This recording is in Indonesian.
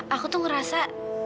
aku tuh ngerasa